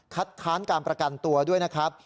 ค้านการประกันตัวด้วยนะครับ